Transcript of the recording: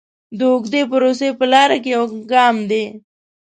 د اوږدې پروسې په لاره کې یو ګام دی.